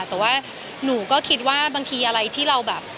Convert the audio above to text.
แต่ว่าหนูก็คิดว่าบางทีอะไรที่เราแบบ